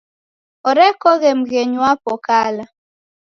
Orekoghe mghenyu wapo kala.